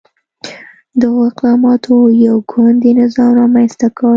دغو اقداماتو یو ګوندي نظام رامنځته کړ.